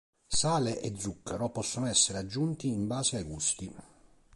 Sale e zucchero possono essere aggiunti in base ai gusti.